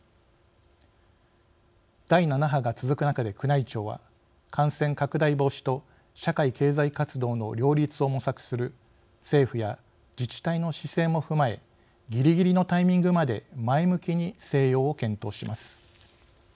第７波が続く中で、宮内庁は感染拡大防止と社会経済活動の両立を模索する政府や自治体の姿勢も踏まえぎりぎりのタイミングまで前向きに静養を検討します。